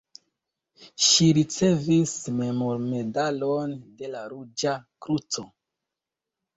Ŝi ricevis memormedalon de la Ruĝa Kruco.